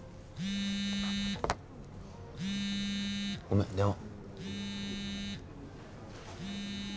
ごめん電話。